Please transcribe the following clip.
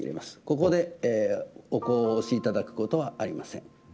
ここでお香をおしいただくことはありません。